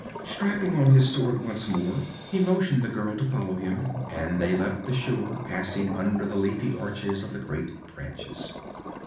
Strapping on his sword once more, he motioned the girl to follow him, and they left the shore, passing under the leafy arches of the great branches.